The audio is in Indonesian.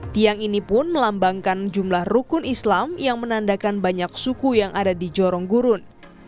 tiang ini pun melambangkan jumlah rukun islam yang menandakan banyak suku yang ada di jorong gurun